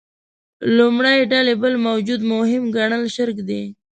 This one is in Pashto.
لومړۍ ډلې بل موجود مهم ګڼل شرک دی.